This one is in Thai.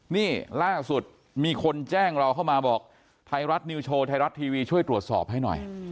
นี่ล่าสุดมีคนแจ้งเราเข้ามาบอกไทยรัฐนิวโชว์ไทยรัฐทีวีช่วยตรวจสอบให้หน่อย